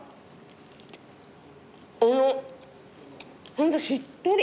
ホントしっとり。